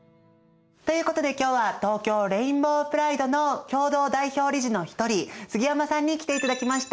ということで今日は東京レインボープライドの共同代表理事の一人杉山さんに来ていただきました。